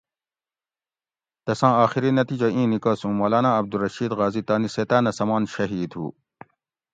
تساں آخری نتیجہ اِیں نیکس اُوں مولانا عبدالرشید غازی تانی سیتاۤنہ سمان شھید ہُو